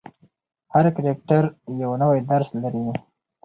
هر کرکټر یو نوی درس لري.